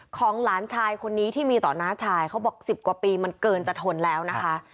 หลานชายคนนี้ที่มีต่อน้าชายเขาบอก๑๐กว่าปีมันเกินจะทนแล้วนะคะ